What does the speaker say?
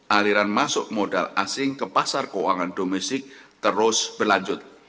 aliran masuk modal asing ke pasar keuangan domestik terus berlanjut